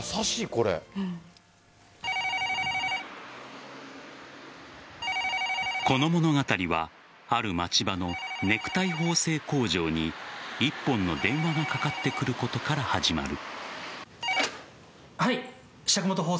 この物語はある町場のネクタイ縫製工場に１本の電話がかかってくることから始まる。